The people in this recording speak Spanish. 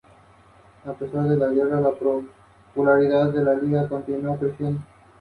Se transmite de progenitores a su descendencia según un patrón de herencia autosómico dominante.